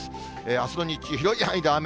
あすの日中、広い範囲で雨。